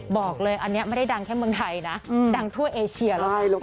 บอกเลยอันนี้ไม่ได้ดังแค่เมืองไทยนะดังทั่วเอเชียแล้ว